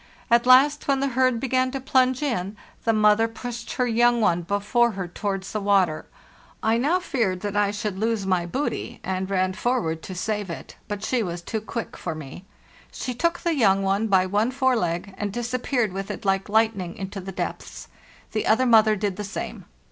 At last, when the herd began to plunge in, the mother pushed her young one before her towards the water. I now feared that I should lose my booty, and ran forward to save it; but she was too quick for me. She took the young one by one fore leg, and disappeared with it like lightning into the depths. The other mother did the same.